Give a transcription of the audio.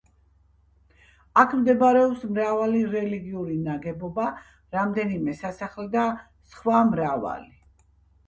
აქ მდებარეობს მრავალი რელიგიური ნაგებობა, რამდენიმე სასახლე და სვა მრავალი.